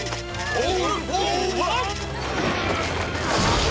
オールフォーワン！